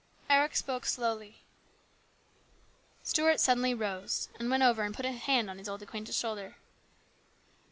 Eric spoke slowly. Stuart suddenly rose and went over and put a hand on his old acquaintance's shoulder.